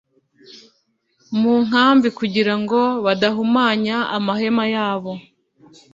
mu nkambi kugira ngo badahumanya amahema y abo